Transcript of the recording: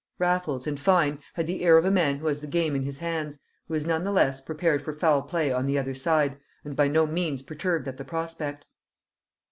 Raffles, in fine, had the air of a man who has the game in his hands, who is none the less prepared for foul play on the other side, and by no means perturbed at the prospect.